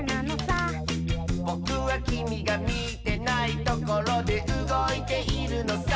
「ぼくはきみがみてないところでうごいているのさ」